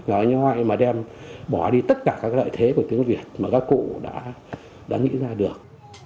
gọi như hoài mà đem bỏ đi tất cả các lợi thế của tiếng việt mà các cụ đã nghĩ ra được